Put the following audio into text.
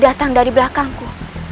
dia datang dari belakangku